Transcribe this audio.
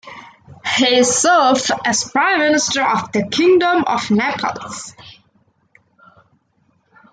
He served as Prime Minister of the Kingdom of Naples.